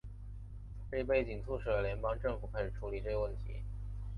这一背景促使了联邦政府开始处理这一问题。